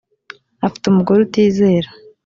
afite umugore utizera